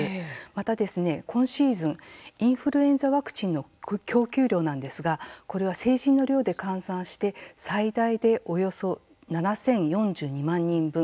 またですね、今シーズンインフルエンザワクチンの供給量なんですがこれは成人の量で換算して最大で、およそ７０４２万人分。